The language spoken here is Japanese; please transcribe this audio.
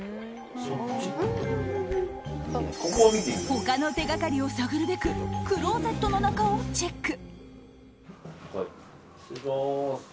他の手掛かりを探るべくクローゼットの中をチェック。